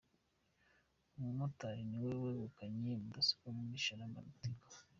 Umumotari niwe wegukanye mudasobwa muri Sharama na Tigo